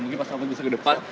mungkin pak selamet bisa ke depan